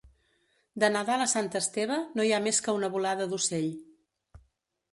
De Nadal a Sant Esteve no hi ha més que una volada d'ocell.